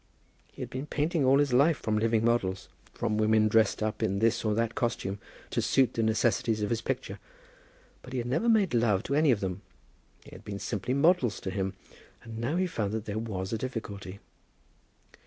He had been painting all his life from living models, from women dressed up in this or that costume, to suit the necessities of his picture, but he had never made love to any of them. They had been simply models to him, and now he found that there was a difficulty.